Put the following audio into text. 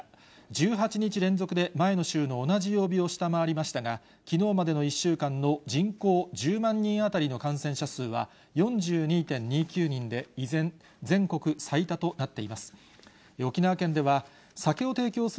１８日連続で前の週の同じ曜日を下回りましたが、きのうまでの１週間の人口１０万人当たりの感染者数は４２．２９人で、依然、全国最多となっています。